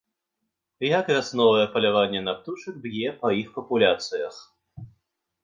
Як вясновае паляванне на птушак б'е па іх папуляцыях?